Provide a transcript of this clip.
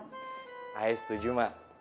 saya setuju mak